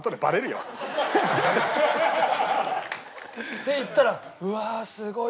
って言ったら「うわーすごい！